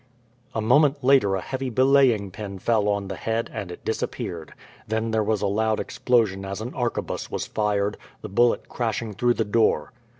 A moment later a heavy belaying pin fell on the head, and it disappeared. Then there was a loud explosion as an arquebus was fired, the bullet crashing through the door.